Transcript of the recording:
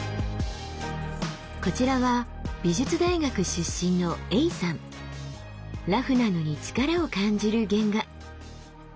こちらは美術大学出身のラフなのに力を感じる原画。